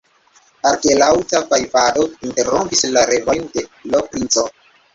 Akrelaŭta fajfado interrompis la revojn de l' princo.